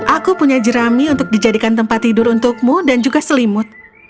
aku punya jerami untuk dijadikan tempat tidur untukmu dan juga selimut